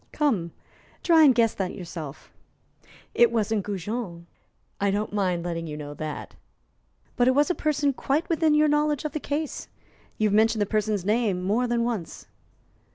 "Come, try and guess that yourself. It wasn't Goujon; I don't mind letting you know that. But it was a person quite within your knowledge of the case. You've mentioned the person's name more than once."